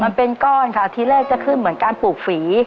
มันเป็นก้อนค่ะทีแรกจะขึ้นเหมือนการปลูกฝี